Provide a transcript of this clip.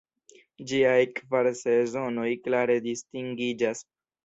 Ĝiaj kvar sezonoj klare distingiĝas.